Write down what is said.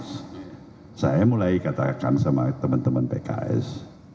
saya mulai katakan sama teman teman pks